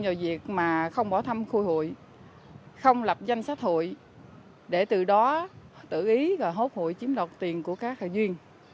vì việc mà không bỏ thăm khu hội không lập danh sách hội để từ đó tự ý và hốt hội chiếm đoạt tiền của các hội viên